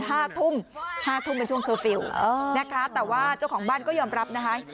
ห้าทุ่มห้าทุ่มเป็นช่วงเคอร์ฟิลล์เออนะคะแต่ว่าเจ้าของบ้านก็ยอมรับนะคะ